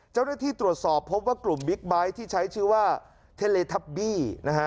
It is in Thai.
เจ้าหน้าที่ตรวจสอบพบว่ากลุ่มบิ๊กไบท์ที่ใช้ชื่อว่าเทเลทับบี้นะฮะ